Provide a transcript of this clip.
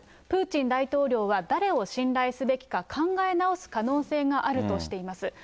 プーチン大統領は誰を信頼すべきか、考え直す可能性があるとしています。